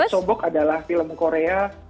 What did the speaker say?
sobok adalah film korea